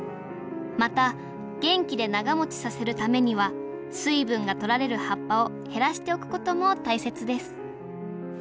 また元気で長もちさせるためには水分が取られる葉っぱを減らしておくことも大切です